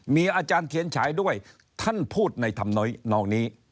มีอาจารย์เขียนฉายด้วยท่านพูดในธรรมน้อยนอกนี้